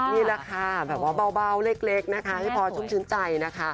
นี่แหละค่ะแบบว่าเบาเล็กนะคะให้พอชุ่มชื้นใจนะคะ